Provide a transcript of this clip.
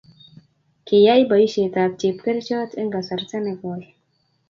Kiayay boisiet tap chepkerchot eng kasarta ne koi